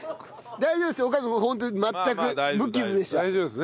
大丈夫ですね。